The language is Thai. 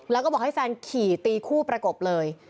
แล้วก็บอกให้แฟนขี่ตีคู่ประกบเลย